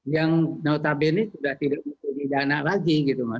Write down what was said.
yang notabene sudah tidak memiliki dana lagi